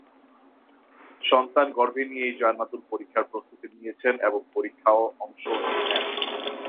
সন্তান গর্ভে নিয়েই জান্নাতুল পরীক্ষার প্রস্তুতি নিয়েছেন এবং পরীক্ষায়ও অংশ নেন।